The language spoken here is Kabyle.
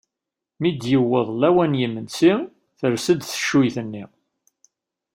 Mi d-yewweḍ lawan n yimensi ters-d teccuyt-nni.